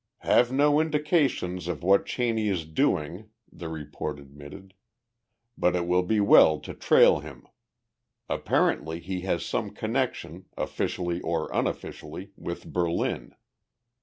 Have no indications of what Cheney is doing [the report admitted], but it will be well to trail him. Apparently he has some connection, officially or unofficially, with Berlin.